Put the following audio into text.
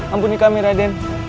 ampuni kami raden